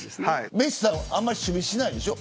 メッシさんはあんまり守備しないんでしょう。